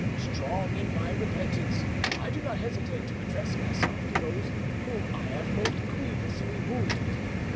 Strong in my repentance, I do not hesitate to address myself to those whom I have most grievously wounded.